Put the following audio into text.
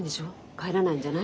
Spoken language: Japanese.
帰らないんじゃない？